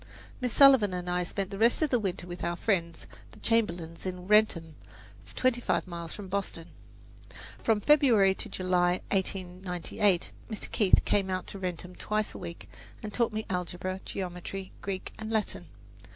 Miss Sullivan and I spent the rest of the winter with our friends, the Chamberlins in Wrentham, twenty five miles from Boston. From February to July, 1898, Mr. Keith came out to Wrentham twice a week, and taught me algebra, geometry, Greek and Latin.